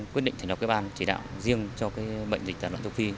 quyết định thành lập cái bàn chế đạo riêng cho bệnh dịch tả lợn châu phi